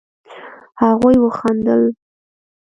هغوئ وخندل.